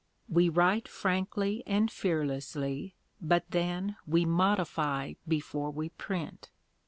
We write frankly and fearlessly, but then we 'modify' before we print.